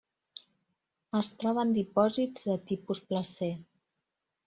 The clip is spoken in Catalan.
Es troba en dipòsits de tipus placer.